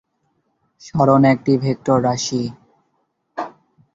সরণ একটি ভেক্টর রাশি।